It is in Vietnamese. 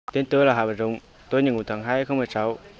tên tôi là hạ bạch rồng tôi nhiệm vụ tháng hai năm hai nghìn một mươi sáu